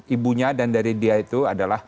ibunya dan dari dia itu adalah